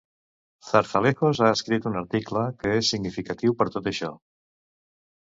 Zarzalejos ha escrit un article que és significatiu per tot això.